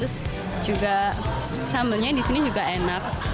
terus juga sambelnya disini juga enak